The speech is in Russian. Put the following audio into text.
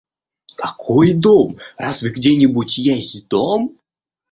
Какой дом, разве где-нибудь есть дом?